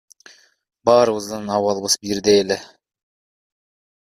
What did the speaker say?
Баарыбыздын абалыбыз бирдей эле.